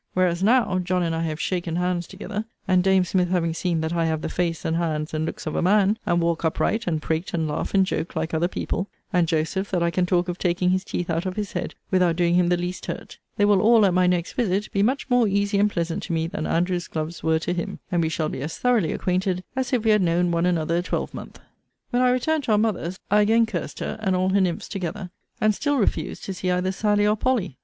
Whereas now, John and I have shaken hands together, and dame Smith having seen that I have the face, and hands, and looks of a man, and walk upright, and prate, and laugh, and joke, like other people; and Joseph, that I can talk of taking his teeth out of his head, without doing him the least hurt; they will all, at my next visit, be much more easy and pleasant to me than Andrew's gloves were to him; and we shall be as thoroughly acquainted, as if we had known one another a twelvemonth. When I returned to our mother's, I again cursed her and all her nymphs together; and still refused to see either Sally or Polly!